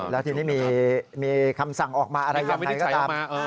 แล้วทีนี้มีคำสั่งออกมาอะไรยังไงก็ตาม